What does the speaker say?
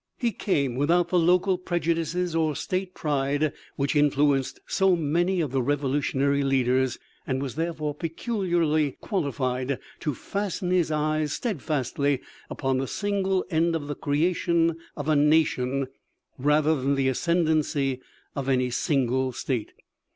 He came without the local prejudices or state pride which influenced so many of the Revolutionary leaders, and was therefore peculiarly qualified to fasten his eyes steadfastly upon the single end of the creation of a nation rather than the ascendency of any single state.